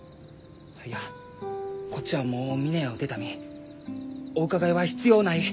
いやこっちはもう峰屋を出た身お伺いは必要ない。